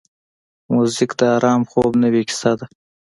موزیک د آرام خوب نوې کیسه ده.